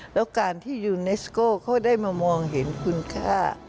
แล้วการที่ยูเนสโก้เขาได้มามองเห็นคุณค่า